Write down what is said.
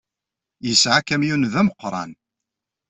Yesɛa akamyun d ameqqran.